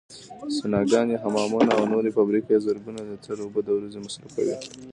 سوناګانې، حمامونه او نورې فابریکې زرګونه لیتره اوبو د ورځې مصرفوي.